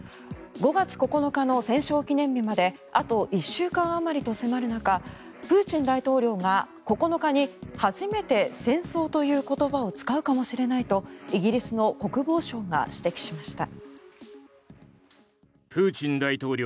５月９日の戦勝記念日まであと１週間あまりと迫る中プーチン大統領が９日に初めて戦争という言葉を使うかもしれないとイギリスの国防相が指摘しました。